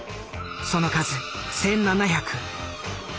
その数１，７００。